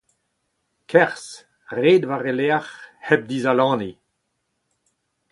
Kerzh, red war he lerc’h hep dizalaniñ.